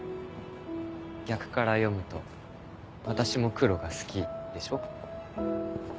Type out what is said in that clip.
逆から読むと「私も黒が好き」でしょ？